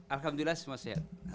alhamdulillah semua sehat